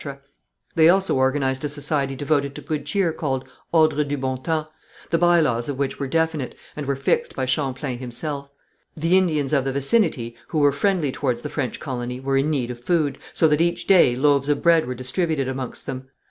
They also organized a society devoted to good cheer called, Ordre du Bon Temps, the by laws of which were definite, and were fixed by Champlain himself. The Indians of the vicinity who were friendly towards the French colony were in need of food, so that each day loaves of bread were distributed amongst them.